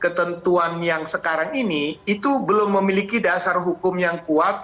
ketentuan yang sekarang ini itu belum memiliki dasar hukum yang kuat